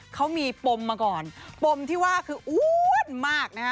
เขามีปมมาก่อนปมที่ว่าคืออ้วนมากนะฮะ